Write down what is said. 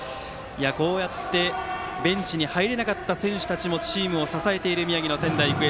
こうやってベンチに入れなかった選手たちもチームを支えている宮城の仙台育英。